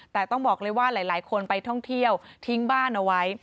แต่ต้องบอกเลยว่าหลายคนไปท่องเที่ยวทิ้งบ้านเอาไว้